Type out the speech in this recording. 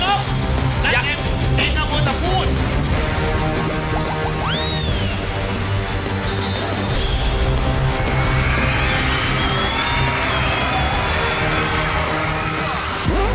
เด็กหนังมือตะพูด